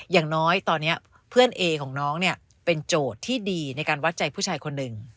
อย่างน้อยตอนนี้เพื่อนเอของน้องเนี่ยเป็นโจทย์ที่ดีในการวัดใจผู้ชายคนหนึ่ง